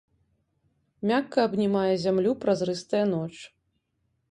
Мякка абнімае зямлю празрыстая ноч.